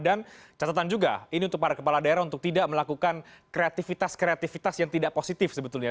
dan catatan juga ini untuk para kepala daerah untuk tidak melakukan kreatifitas kreatifitas yang tidak positif sebetulnya